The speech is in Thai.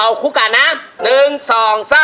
เอาคู่กันนะหนึ่งสองสาม